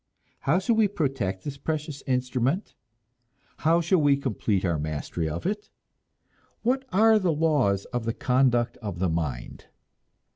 How shall we protect this precious instrument? How shall we complete our mastery of it? What are the laws of the conduct of the mind?